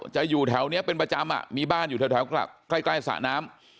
จะอยู่แถวเนี้ยเป็นประจำอ่ะมีบ้านอยู่แถวแถวกลับใกล้ใกล้สระน้ำ